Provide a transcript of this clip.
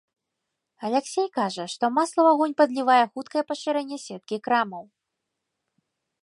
Аляксей кажа, што масла ў агонь падлівае хуткае пашырэнне сеткі крамаў.